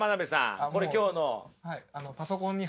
これ今日の。